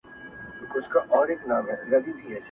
• پوهېږمه په ځان د لېونو کانه راکېږي -